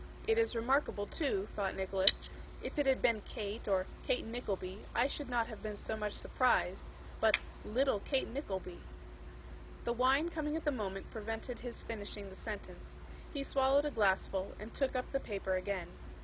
'It is remarkable too,' thought Nicholas: 'if it had been "Kate" or "Kate Nickleby," I should not have been so much surprised: but "little Kate Nickleby!"' The wine coming at the moment prevented his finishing the sentence. He swallowed a glassful and took up the paper again.